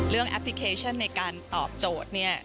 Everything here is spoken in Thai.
เรื่องแอปพลิเคชันในการตอบโจทย์